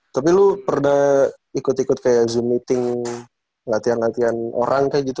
tapi lu pernah ikut ikut kayak zoom meeting latihan latihan orang kayak gitu